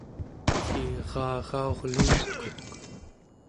elliraaraurluunkuk